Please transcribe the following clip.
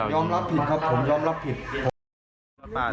ยอมรับผิดครับผมยอมรับผิดผมอ่าน